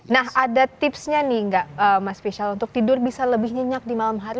nah ada tipsnya nih nggak mas fishal untuk tidur bisa lebih nyenyak di malam hari